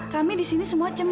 kami di sini semua cem